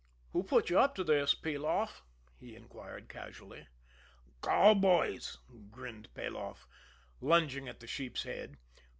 "Who put you up to this, Peloff?" he inquired casually. "Cowboys," grinned Peloff, lunging at the sheep's head.